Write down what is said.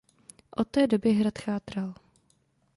Od té doby hrad chátral.